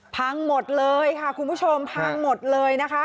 พังหมดเลยค่ะคุณผู้ชมพังหมดเลยนะคะ